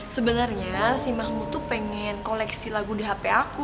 sebenarnya si mahmud tuh pengen koleksi lagu di hp aku